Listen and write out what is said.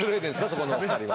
そこのお二人は。